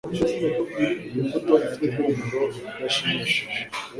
Iyi mbuto ifite impumuro idashimishije.